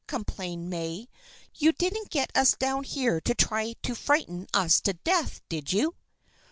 complained May. "You didn't get us down here to try to frighten us to death, did you?"